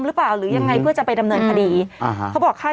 หรือยังไงเพื่อจะไปดำเนินคดีอ่าฮะเขาบอกค่า